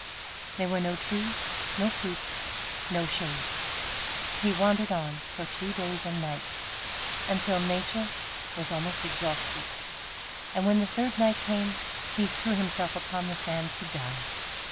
There were no trees, no fruit, no shade. He wandered on for two days and nights, until nature was almost exhausted, and when the third night came, he threw himself upon the sand to die.